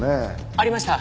ありました！